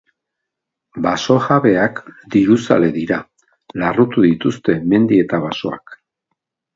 Baso jabeak diruzale dira; larrutu dituzte mendi eta basoak.